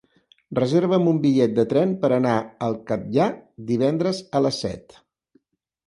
Reserva'm un bitllet de tren per anar al Catllar divendres a les set.